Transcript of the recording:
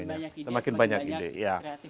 semakin banyak ide semakin banyak kreativitas